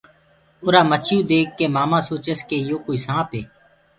اُرآ مڇيو ڪوُ ديک ڪي مآمآ سوچس ڪي يو ڪوئي سآنپ هي۔